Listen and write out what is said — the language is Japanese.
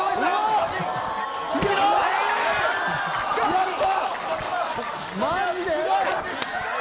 やった。